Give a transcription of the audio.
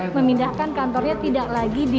kalau buat kayak gimana nanti nanti di aun hai